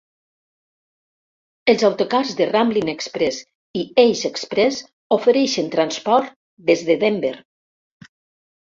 Els autocars de Ramblin Express i Ace Express ofereixen transport des de Denver.